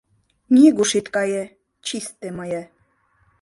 — Нигуш ит кае — чисте мые!